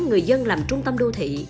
người dân làm trung tâm đô thị